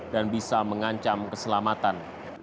dan bisa mengancam keselamatan